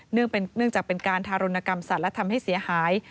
เนื่องจากเป็นการทารุณกรรมสัตว์และทำให้เสียหาย